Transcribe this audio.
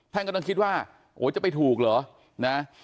แท่งกำลังคิดว่าโอ้ยจะไปถูกหรือ